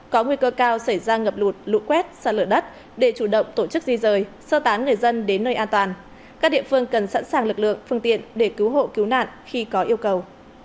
có nguy cơ cao xảy ra ngập lụt lũ quét xa lở đất để chủ động tổ chức di rời sơ tán người dân đến nơi an toàn các địa phương cần sẵn sàng lực lượng phương tiện để cứu hộ cứu nạn khi có yêu cầu